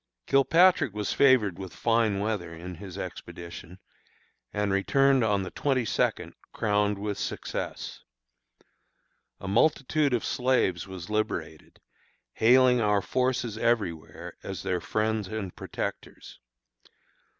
Kilpatrick was favored with fine weather in his expedition, and returned on the twenty second crowned with success. A multitude of slaves was liberated, hailing our forces everywhere as their friends and protectors.